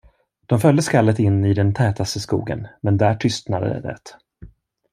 De följde skallet in i den tätaste skogen, men där tystnade det.